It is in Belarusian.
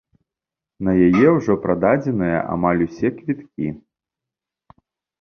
На яе ўжо прададзеныя амаль усе квіткі.